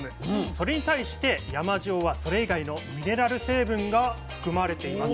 それに対して山塩はそれ以外のミネラル成分が含まれています。